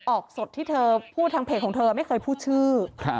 ออกสดที่เธอพูดทางเพจของเธอไม่เคยพูดชื่อ